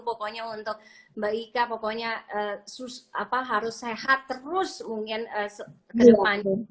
pokoknya untuk mbak ika pokoknya harus sehat terus mungkin ke depan